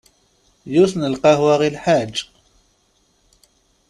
Yiwet n lqahwa i lḥaǧ?